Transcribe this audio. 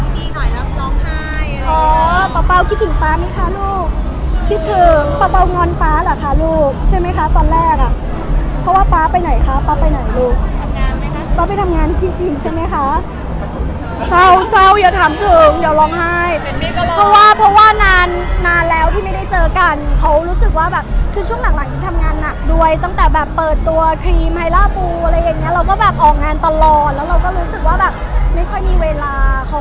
มีคอมเมนท์ไทยหรือไม่มีคอมเมนท์ไทยหรือไม่มีคอมเมนท์ไทยหรือไม่มีคอมเมนท์ไทยหรือไม่มีคอมเมนท์ไทยหรือไม่มีคอมเมนท์ไทยหรือไม่มีคอมเมนท์ไทยหรือไม่มีคอมเมนท์ไทยหรือไม่มีคอมเมนท์ไทยหรือไม่มีคอมเมนท์ไทยหรือไม่มีคอมเมนท์ไทยหรือไม่มีคอมเมนท์ไท